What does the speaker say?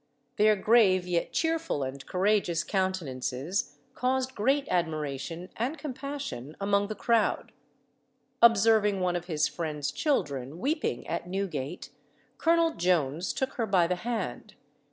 Their grave yet cheerful and courageous countenances caused great admiration and compassion among the crowd. Observing one of his friend's children weeping at Newgate, Colonel Jones took her by the hand.